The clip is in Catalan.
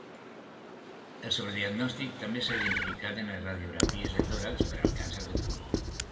El sobrediagnòstic també s'ha identificat en les radiografies de tòrax per al càncer de pulmó.